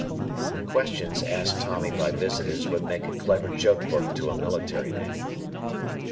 The questions asked Tommy by visitors would make a clever joke book to a military man.